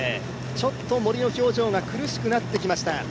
森の表情が苦しくなってきました。